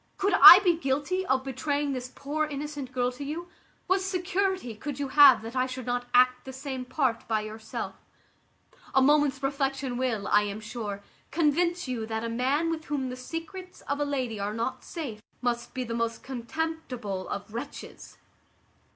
Could I be guilty of betraying this poor innocent girl to you, what security could you have that I should not act the same part by yourself? A moment's reflection will, I am sure, convince you that a man with whom the secrets of a lady are not safe must be the most contemptible of wretches."